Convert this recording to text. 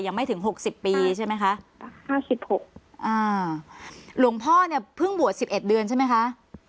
ยังไม่ถึงหกสิบปีใช่ไหมคะห้าสิบหกอ่าหลวงพ่อเนี่ยเพิ่งบวชสิบเอ็ดเดือนใช่ไหมคะ